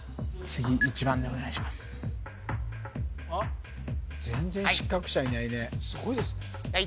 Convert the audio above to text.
次全然失格者いないねすごいですね・